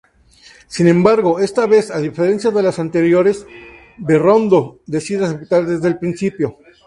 Sin embargo esta vez, a diferencia de las anteriores, Berraondo decide aceptar en principio.